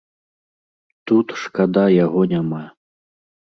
Тут, шкада, яго няма.